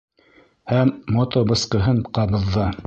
Һәм мотобысҡыһын ҡабыҙҙы.